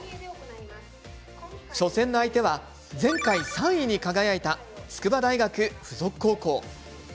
初戦の相手は、前回３位に輝いた筑波大学附属高校。